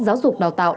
giáo dục đào tạo